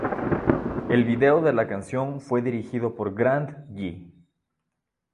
El vídeo de la canción fue dirigido por Grant Gee.